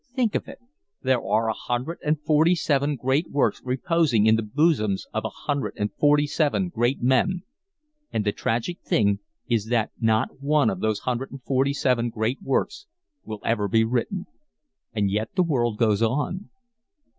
Think of it, there are a hundred and forty seven great works reposing in the bosoms of a hundred and forty seven great men, and the tragic thing is that not one of those hundred and forty seven great works will ever be written. And yet the world goes on."